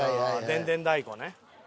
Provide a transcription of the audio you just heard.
でんでん太鼓ね。